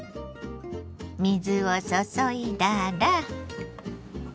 水を注いだら。